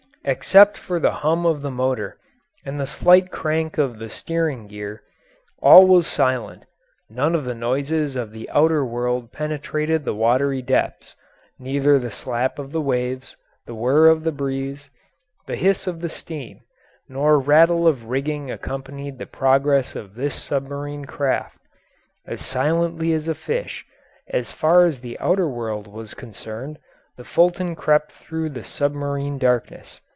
Except for the hum of the motor and the slight clank of the steering gear, all was silent; none of the noises of the outer world penetrated the watery depths; neither the slap of the waves, the whir of the breeze, the hiss of steam, nor rattle of rigging accompanied the progress of this submarine craft. As silently as a fish, as far as the outer world was concerned, the Fulton crept through the submarine darkness.